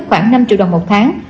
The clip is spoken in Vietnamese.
khoảng năm triệu đồng một tháng